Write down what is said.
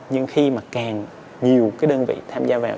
nhưng khi mà càng nhiều cái đơn vị tham gia vào